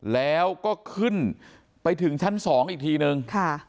แล้วก็ขึ้นไปถึงชั้น๒อีกทีนึง